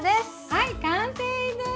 はい完成です！